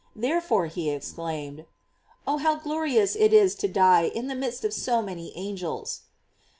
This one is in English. Therefore, he exclaimed: "Oh! how glorious it is to die in GLORIES OF MART. *$ the midst of so many angels!"